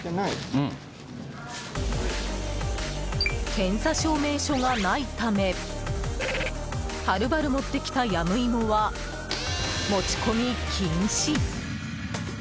検査証明書がないためはるばる持ってきたヤムイモは持ち込み禁止。